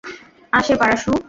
আসে, পারাসু।